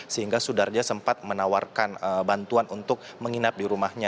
sehingga sudarja sempat menawarkan bantuan untuk menginap di rumahnya